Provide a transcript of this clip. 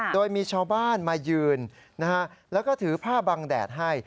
โดยมีชาวบ้านมายืนแล้วก็ถือผ้าบังแดดให้